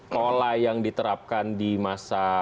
pola yang diterapkan di masa